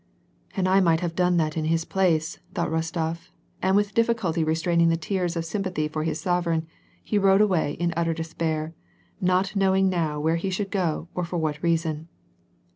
" And I might have done that in his place," thought Rostof, and with difficulty restraining the tears of sympathy for his sovereign, he rode away in utter despair, not knowing now where he should go or for what reason.